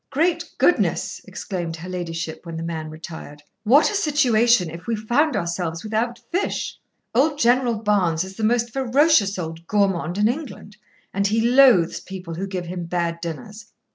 "Great goodness!" exclaimed her ladyship when the man retired. "What a situation if we found ourselves without fish! Old General Barnes is the most ferocious old gourmand in England, and he loathes people who give him bad dinners.